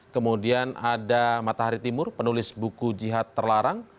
kemudian ada matahari timur penulis buku jihad terlarang